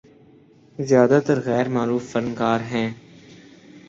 زیادہ تر غیر معروف فنکار ہیں۔